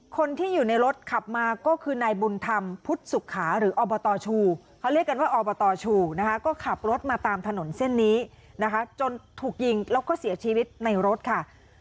คนที่อยู่ในรถขับมาก็คือนายบุญธรรมพุทธสุขาหรืออบตชูเขาเรียกกันว่าอบตชูนะคะก็ขับรถมาตามถนนเส้นนี้นะคะจนถูกยิงแล้วก็เสียชีวิตในรถค่ะ